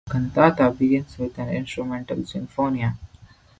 The cantata begins with an instrumental sinfonia.